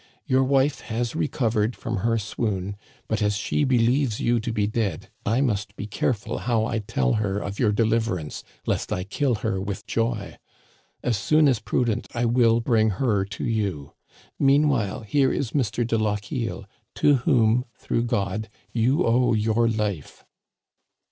"Your wife has recovered from her swoon; but,* as she believes you to be dead, I must be careful how I tell her of your deliverance, lest I kill her with joy. As soon as prudent I will bring her to you. Meanwhile, here is Mr. de Lochiel, to whom, through God, you owe your life."